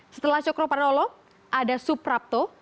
setelah cokro panolo ada suprapto